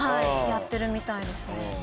やってるみたいですね。